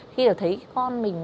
khi nào thấy con mình